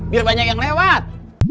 biar banyak yang lewat